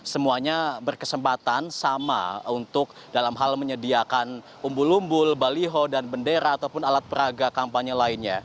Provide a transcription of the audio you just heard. semuanya berkesempatan sama untuk dalam hal menyediakan umbul umbul baliho dan bendera ataupun alat peraga kampanye lainnya